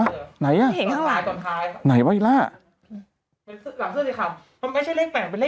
ตอนท้ายตอนท้ายไหนวะอีล่ะหลังเสื้อสิค่ะมันไม่ใช่เลขแปดมันเป็นเลข